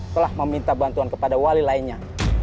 telah meminta bantuan kepada wali lainnya